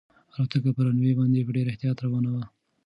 الوتکه په رن وې باندې په ډېر احتیاط روانه وه.